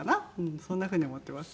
そんな風に思ってます。